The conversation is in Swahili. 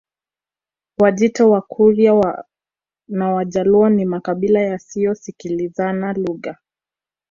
Wajita Wakurya na Wajaluo ni makabila yasiyosikilizana lugha